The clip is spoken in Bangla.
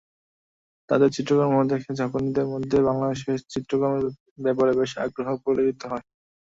তাদের চিত্রকর্ম দেখে জাপানিদের মধ্যে বাংলাদেশের চিত্রকর্মের ব্যাপারে বেশ আগ্রহ পরিলক্ষিত হয়।